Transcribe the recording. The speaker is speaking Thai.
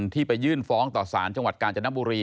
ที่ไปยื่นฟ้องต่อสารจังหวัดกาญจนบุรี